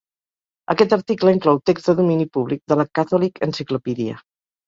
Aquest article inclou text de domini públic de la "Catholic Encyclopedia".